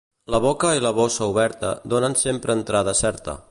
La boca i la bossa oberta donen sempre entrada certa.